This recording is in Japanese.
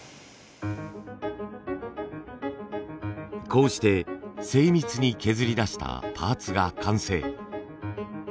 こうして精密に削り出したパーツが完成。